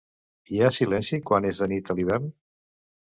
Hi ha silenci quan és de nit a l'hivern?